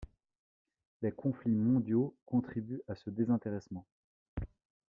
Les conflits mondiaux contribuent à ce désintéressement.